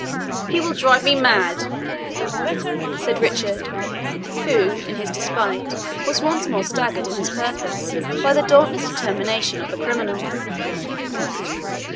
"He will drive me mad!" said Richard, who, in his despite, was once more staggered in his purpose by the dauntless determination of the criminal.